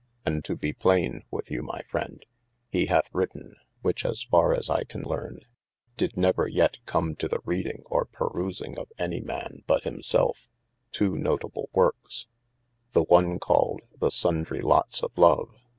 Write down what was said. And to be playne (with you my friend) he hath written (which as farre as I can learne) did never yet come to the reading or perusinge of any man but himselfe : two notable workes. The one called, the Sundry lots of love.